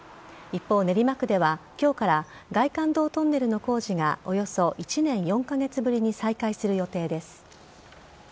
一方、練馬区では今日から外環道トンネルの工事がおよそ１年４カ月ぶりに再開する予定です。